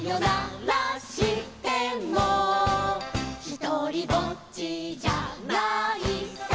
「ひとりぼっちじゃないさ」